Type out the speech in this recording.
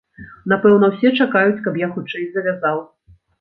Напэўна, усе чакаюць, каб я хутчэй завязаў.